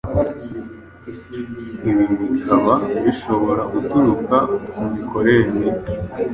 ibi bikaba bishobora guturuka ku mikorere mibi